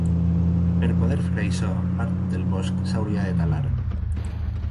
Per poder fer això, part del bosc s'hauria de talar.